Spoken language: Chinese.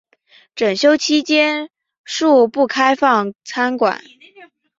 整修期间恕不开放参观